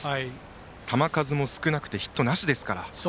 球数も少なくてヒットなしですから。